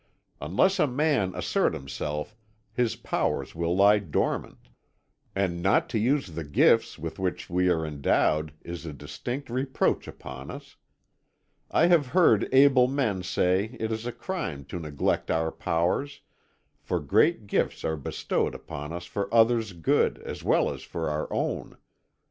Unless a man assert himself his powers will lie dormant; and not to use the gifts with which we are endowed is a distinct reproach upon us. I have heard able men say it is a crime to neglect our powers, for great gifts are bestowed upon us for others' good as well as for our own.